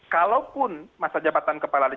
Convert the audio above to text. kalaupun masa jabatan kepala